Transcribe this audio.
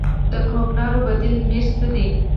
د کوکنارو بدیل معیشت څه دی؟